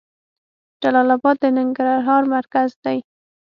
جلال اباد د ننګرهار مرکز ده.